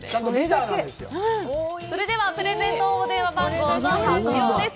それではプレゼント応募電話番号の発表です。